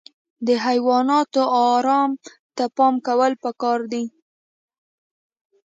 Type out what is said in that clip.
د حیواناتو ارام ته پام کول پکار دي.